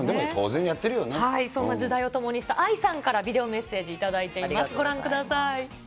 そんな時代を共にしたＡＩさんから、ビデオメッセージ頂いています。